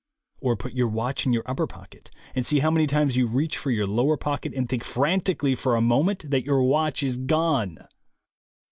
Or put your watch in your upper pocket, and see how many times you reach for your lower pocket and think frantic ally for a moment that your watch is gone.